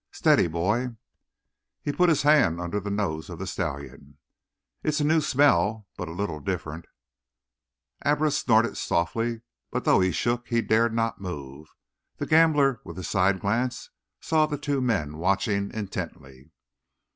"Steady, boy." He put his hand under the nose of the stallion. "It's a new smell, but little different." Abra snorted softly, but though he shook he dared not move. The gambler, with a side glance, saw the two men watching intently.